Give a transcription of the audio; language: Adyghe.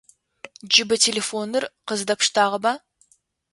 Джыбэ телефоныр къыздэпштагъэба?